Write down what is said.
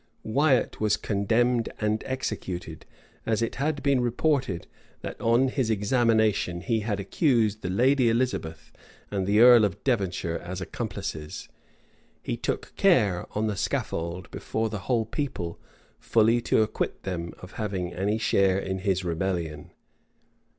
Wiat was condemned and executed: as it had been reported that, on his examination, he had accused the lady Elizabeth and the earl of Devonshire as accomplices, he took care, on the scaffold, before the whole people, fully to acquit them of having any share in his rebellion.